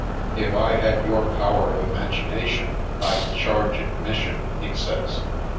If I had your power of imagination I'd charge admission," he says.